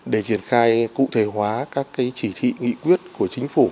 để triển khai cụ thể hóa các chỉ thị nghị quyết của chính phủ